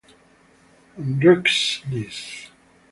Andrzej Lis